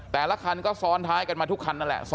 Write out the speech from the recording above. แต่ละคันก็ซ้อนท้ายกันมาทุกคันนั่นแหละ